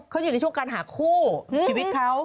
เขาอยู่ในช่วงการหาคู่ชีวิตเขา